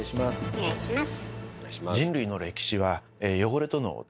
お願いします。